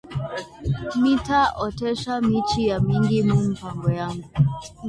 Mita otesha michi ya mingi mu mpango yangu